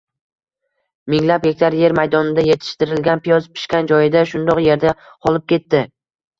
minglab gektar yer maydonida yetishtirilgan piyoz pishgan joyida shundoq yerda qolib ketdi...